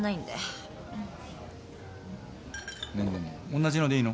同じのでいいの？